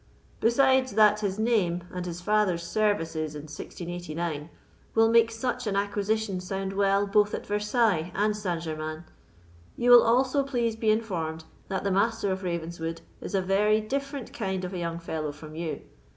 "Besides that his name, and his father's services in 1689, will make such an acquisition sound well both at Versailles and Saint Germains, you will also please be informed that the Master of Ravenswood is a very different kind of a young fellow from you.